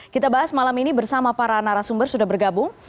kita bahas malam ini bersama para narasumber sudah bergabung